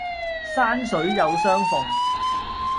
山水有相逢